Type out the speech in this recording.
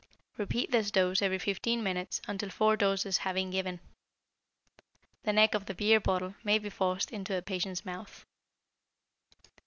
Repeat this dose every 15 minutes until four doses have been given. The neck of the beer bottle may be forced into the patient's mouth.